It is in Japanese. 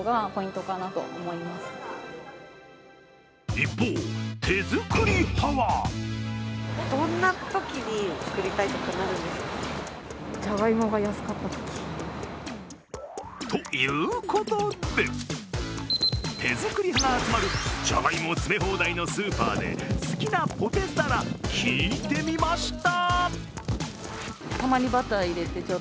一方、手作り派は。ということで手作り派が集まるじゃがいも詰め放題のスーパーで好きなポテサラ、聞いてみました